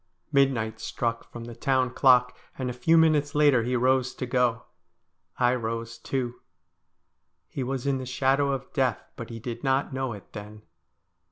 Midnight struck from the town clock, and a few minutes later he rose to go. I rose too. He was in the shadow of death, but he did not know it then.